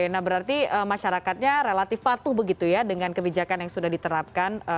nah berarti masyarakatnya relatif patuh begitu ya dengan kebijakan yang sudah diterapkan